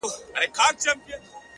خو د سندرو په محل کي به دي ياده لرم؛